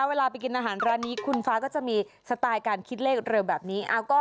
เวลาไปกินอาหารร้านนี้คุณฟ้าก็จะมีสไตล์การคิดเลขเร็วแบบนี้